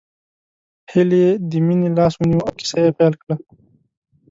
هيلې د مينې لاس ونيو او کيسه يې پيل کړه